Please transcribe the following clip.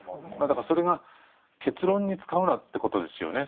だからそれが結論に使うなってことですよね。